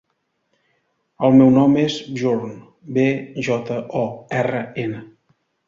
El meu nom és Bjorn: be, jota, o, erra, ena.